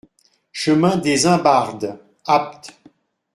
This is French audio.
Chemin des Imbardes, Apt